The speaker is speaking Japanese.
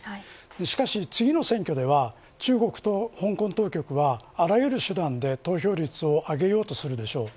しかし次の選挙では中国と香港当局はあらゆる手段で投票率を上げようとするでしょう。